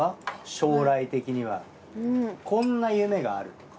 将来的にはこんな夢があるとか。